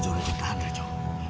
ajo rupiah tahan ajo